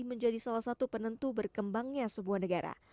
menjadi salah satu penentu berkembangnya sebuah negara